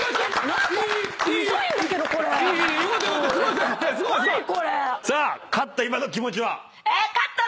何これ⁉勝った今の気持ちは？